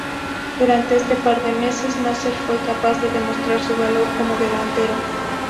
Durante este par de meses, Nasser fue capaz de demostrar su valor como delantero.